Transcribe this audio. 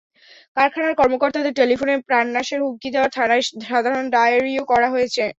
কারখানার কর্মকর্তাদের টেলিফোনে প্রাণনাশের হুমকি দেওয়ায় থানায় সাধারণ ডায়েরিও করা হয়েছে।